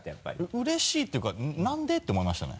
うれしいっていうか「なんで？」って思いましたね。